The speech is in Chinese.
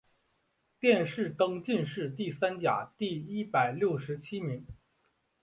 殿试登进士第三甲第一百六十七名。